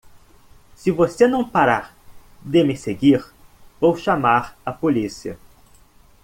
Se você não parar de me seguir, vou chamar a polícia.